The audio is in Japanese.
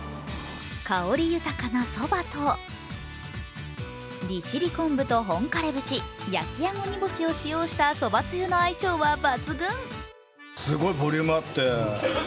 香り豊かなそばと、利尻昆布と本枯節、焼きあご煮干しを使用したそばつゆの相性は抜群。